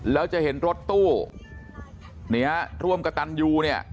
แล้วจะเห็นรถตู้เนี่ยร่วมกระตันยูเนี่ย